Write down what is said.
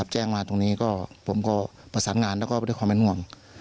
แจ้งมาตรงนี้ผมก็ประสานงานแล้วก็ด้วยความเป็นห่วง